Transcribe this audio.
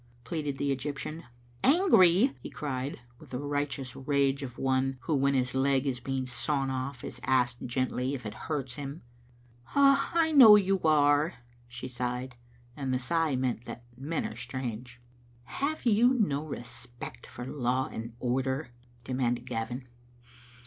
pleaded the Egyp tian. "Angry!" he cried, with the righteous rage of one who when his leg is being sawn off is asked gently if it hurts him. "I know you are," she sighed, and the sigh meant that men are strange. " Have you no respect for law and order?" demanded Gavin.